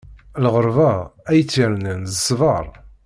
Lɣeṛba, ay tt-irnan d ṣṣbeṛ.